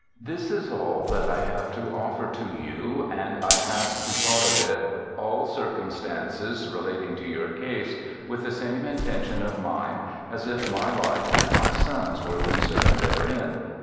' This is all that I have to offer to you and I have to 78 BIOGRAPHICAL ESSAYS thought of it all circumstances relating to your case, with the same intention of mind as if my life and my sons were concerned therein.